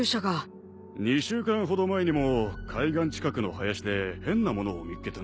２週間ほど前にも海岸近くの林で変な物を見っけてな。